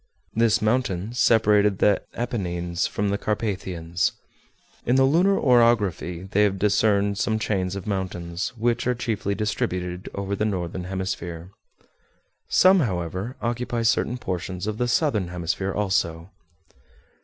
This mountain separated the Apennines from the Carpathians. In the lunar orography they have discerned some chains of mountains, which are chiefly distributed over the northern hemisphere. Some, however, occupy certain portions of the southern hemisphere also.